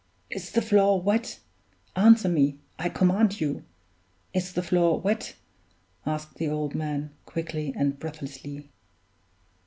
"Is the floor wet? Answer me, I command you is the floor wet?" asked the old man, quickly and breathlessly.